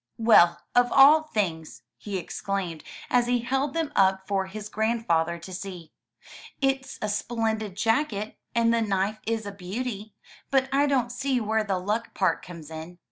"Well, of all things!'* he exclaimed as he held them up for his grandfather to see. It*s a splendid jacket, and the knife is a beauty, but I don't see where the luck part comes in."